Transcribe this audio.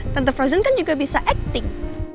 tante frozen kan juga bisa acting